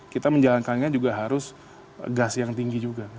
kita menjalankannya juga harus gas yang tinggi juga